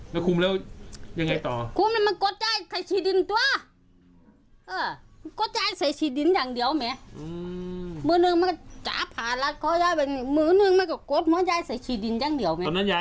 แล้วคุ้มแล้วยังไงต่อคุ้มแล้วมันกดใจใส่ชีดินตัว